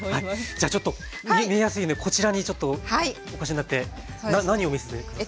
じゃあちょっと見えやすいようにこちらにちょっとお越しになって何を見せて下さる。